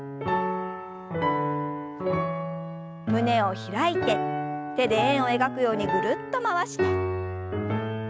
胸を開いて手で円を描くようにぐるっと回して。